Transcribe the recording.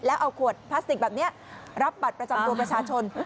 แล้วเอาขวดพลาสติกแบบนี้รับบัตรประจำตัวประชาชน